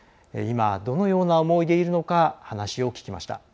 今、どのような思いでいるのか話を聞きました。